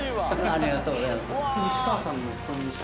ありがとうございます。